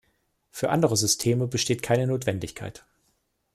Für andere Systeme besteht keine Notwendigkeit.